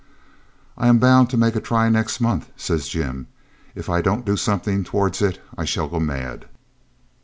'I am bound to make a try next month,' says Jim. 'If I don't do something towards it I shall go mad.'